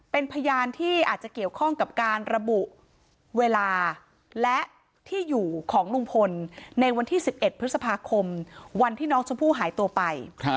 เป็นพยานที่อาจจะเกี่ยวข้องกับการระบุเวลาและที่อยู่ของลุงพลในวันที่๑๑พฤษภาคมวันที่น้องชมพู่หายตัวไป